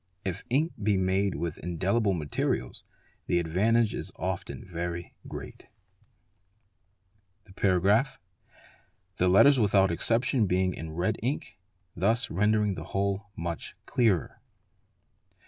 If ink be made with indelibl materials the advantage is often very great. i's PLAN OF HOUSE 453 letters without exception being in red ink, thus rendering the whole much clearer.